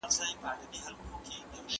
دا شګه له هغه پاکه ده!.